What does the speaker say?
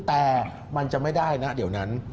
แต่มันจะไม่ได้นะเดี๋ยวนั้น